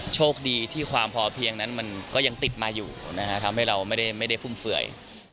โชคดีที่ความพอเพียงนั้นมันก็ยังติดมาอยู่นะฮะทำให้เราไม่ได้ฟุ่มเฟื่อย